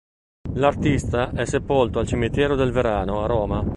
L'artista è sepolto al Cimitero del Verano, a Roma.